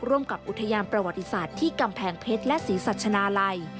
ร่วมกับอุทยานประวัติศาสตร์ที่กำแพงเพชรและศรีสัชนาลัย